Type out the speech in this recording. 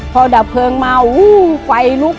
พอดับเคริงมาไอหลุก